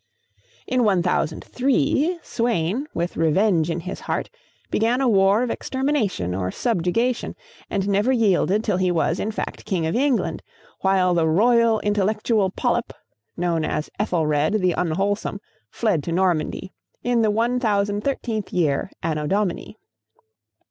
[Illustration: ETHELRED WEDS EMMA.] In 1003, Sweyn, with revenge in his heart, began a war of extermination or subjugation, and never yielded till he was, in fact, king of England, while the royal intellectual polyp, known as Ethelred the Unwholesome, fled to Normandy, in the 1013th year Anno Domini.